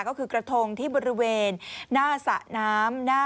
ก็คือกระทงที่บริเวณหน้าสระน้ำ